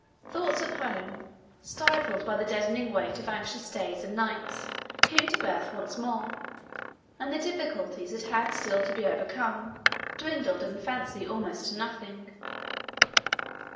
Thoughts of home, stifled by the deadening weight of anxious days and nights, came to birth once more, and the difficulties that had still to be overcome dwindled in fancy almost to nothing.